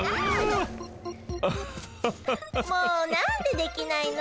もうなんでできないの？